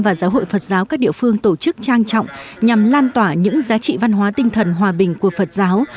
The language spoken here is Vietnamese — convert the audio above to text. và giáo hội phật giáo các địa phương tổ chức trang trọng nhằm lan tỏa những giá trị văn hóa tinh thần hòa bình của phật giáo